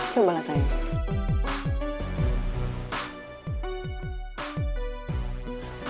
coba lah sayang